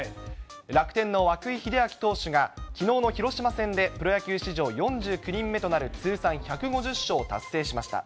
楽天の涌井秀章投手が、きのうの広島戦でプロ野球史上４９人目となる通算１５０勝を達成しました。